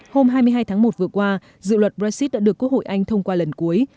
hôm hai mươi hai tháng một vừa qua dự luật brexit đã được quốc hội anh thông qua lần cuối